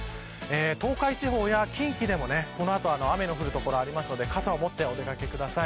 東海地方や近畿でもこの後、雨の降る所があるので傘を持ってお出掛けください。